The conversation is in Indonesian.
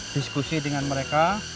diskusi dengan mereka